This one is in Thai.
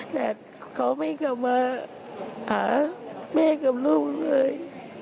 แต่เขาไม่กลับมาหาแม่กับลูกเลย